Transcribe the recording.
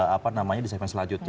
apa namanya di segmen selanjutnya